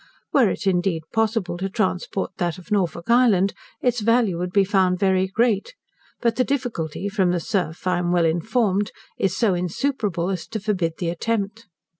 Were it indeed possible to transport that of Norfolk Island, its value would be found very great, but the difficulty, from the surf, I am well informed, is so insuperable as to forbid the attempt.